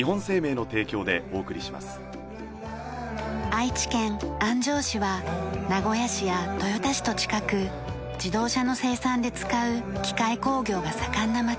愛知県安城市は名古屋市や豊田市と近く自動車の生産で使う機械工業が盛んな街。